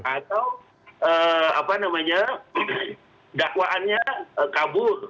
atau dakwaannya kabur